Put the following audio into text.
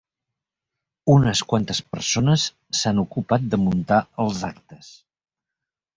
Unes quantes persones s'han ocupat de muntar els actes.